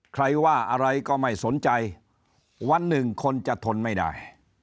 ใครว่าอะไรก็ไม่สนใจวันหนึ่งคนจะทนไม่ได้